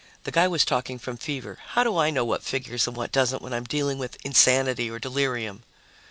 The guy was talking from fever. How do I know what figures and what doesn't when I'm dealing with insanity or delirium?"